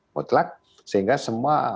mutlak sehingga semua